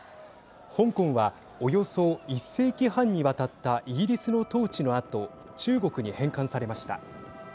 香港はおよそ１世紀半にわたったイギリスの統治のあと中国に返還されました。